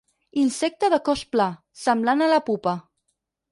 Insecte de cos pla, semblant a la pupa.